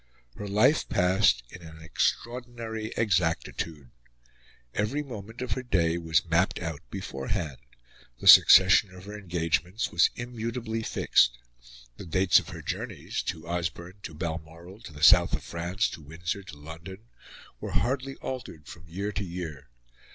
Her life passed in an extraordinary exactitude. Every moment of her day was mapped out beforehand; the succession of her engagements was immutably fixed; the dates of her journeys to Osborne, to Balmoral, to the South of France, to Windsor, to London were hardly altered from year to year.